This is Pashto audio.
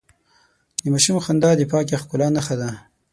د ماشوم خندا د پاکې ښکلا نښه ده.